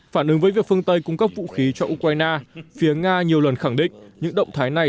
phản ứng với việc phương tây cung cấp vũ khí cho ukraine phía nga nhiều lần khẳng định những động thái này